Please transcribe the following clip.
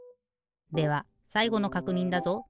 ではさいごのかくにんだぞ！